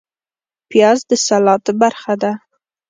پیاز د سلاد برخه ده